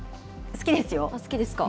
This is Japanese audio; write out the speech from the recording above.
好きですか？